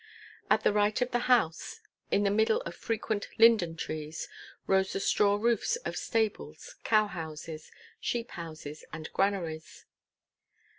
At the right of the house, in the middle of frequent linden trees, rose the straw roofs of stables, cow houses, sheep houses, and granaries.